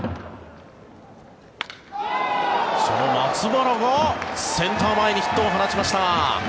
その松原がセンター前にヒットを放ちました。